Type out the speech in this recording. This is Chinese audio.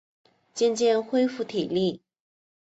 渐渐恢复体力